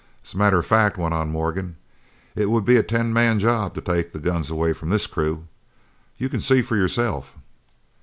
"As a matter of fact," went on Morgan, "it would be a ten man job to take the guns away from this crew. You can see for yourself."